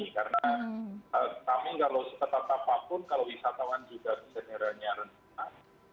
karena kami kalau sepeta tapapun kalau wisatawan juga generalnya rendah